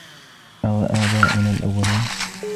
أوآباؤنا الأولون